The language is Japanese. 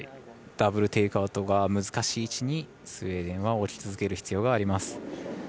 ダブル・テイクアウトが難しい位置にスウェーデンは置き続ける必要があります。